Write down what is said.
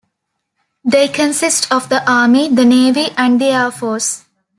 They consist of the Army, the Navy and the Air Force.